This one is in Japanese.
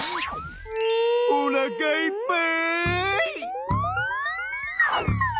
おなかいっぱい！